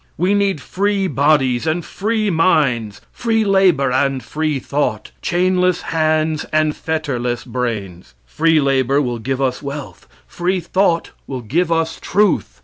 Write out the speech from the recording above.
We need free bodies and free minds, free labor and free thought, chainless hands and fetterless brains. Free labor will give us wealth. Free thought will give us truth.